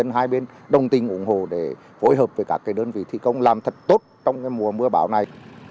hai bên đồng tình ủng hộ để phối hợp với các đơn vị thi công làm thật tốt trong mùa mưa bão này